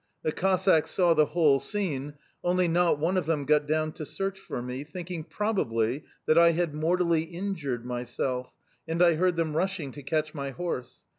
The Cossacks saw the whole scene, only not one of them got down to search for me, thinking probably that I had mortally injured myself; and I heard them rushing to catch my horse.